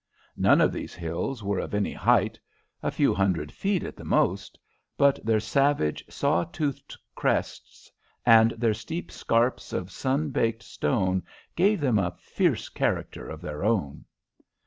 None of these hills were of any height, a few hundred feet at the most, but their savage, saw toothed crests and their steep scarps of sun baked stone gave them a fierce character of their own.